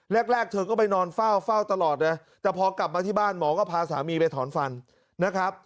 แรกเธอก็ไปนอนเฝ้าเฝ้าตลอดเลยแต่พอกลับมาที่บ้านหมอก็พาสามีไปถอนฟันนะครับ